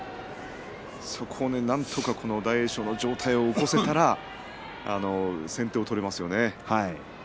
そこをなんとか大栄翔の上体を起こせから先手を取れますよね。